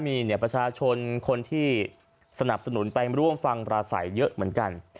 มีประชาชนคนที่สนับสนุนไปร่วมฟังปราศัยเยอะเหมือนกัน